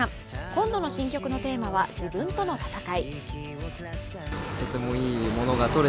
今度の新曲のテーマは自分との闘い。